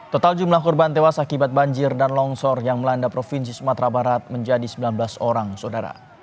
total jumlah korban tewas akibat banjir dan longsor yang melanda provinsi sumatera barat menjadi sembilan belas orang saudara